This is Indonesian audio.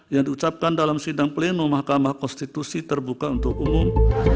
yang diucapkan dalam sidang pleno mahkamah konstitusi terbuka untuk umum